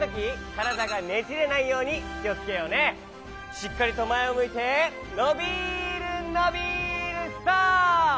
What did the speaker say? しっかりとまえをむいてのびるのびるストップ！